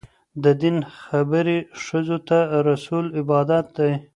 د دین خبرې ښځو ته رسول عبادت دی.